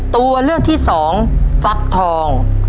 ตัวเลือกที่สองฟักทอง